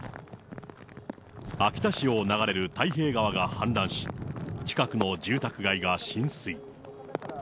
秋田市を流れるたいへい川が氾濫し、近くの住宅街が浸水。